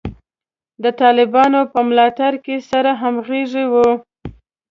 د طالبانو په ملاتړ کې سره همغږي وو.